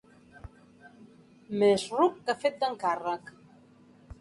Més ruc que fet d'encàrrec.